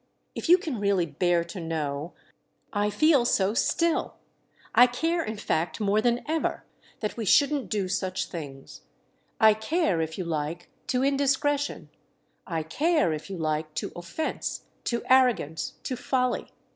If you can really bear to know, I feel so still I care in fact more than ever that we shouldn't do such things. I care, if you like, to indiscretion—I care, if you like, to offence, to arrogance, to folly.